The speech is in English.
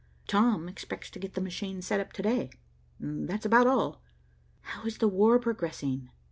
Tom expects to get the machine set up to day. That's about all." "How is the war progressing?"